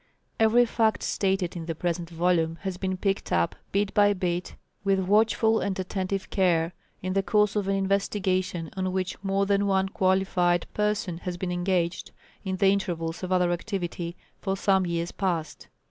Every fact stated in the present volume has been picked up bit by bit with watchful and attentive care, in the course of an investigation on which more than one qualified person has been engaged, in the intervals of other activity, for some years past.